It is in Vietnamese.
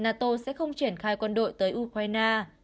nato sẽ không triển khai quân đội tới ukraine